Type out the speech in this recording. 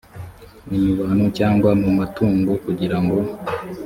ni mu bantu cyangwa mu matungo kugira ngo